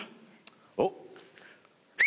おっ。